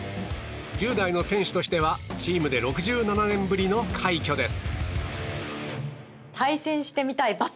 １０代の選手としてはチームで６７年ぶりの快挙です。